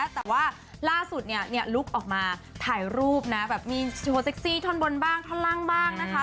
แต่ว่าล่าสุดเนี่ยลุกออกมาถ่ายรูปนะแบบมีโชว์เซ็กซี่ท่อนบนบ้างท่อนล่างบ้างนะคะ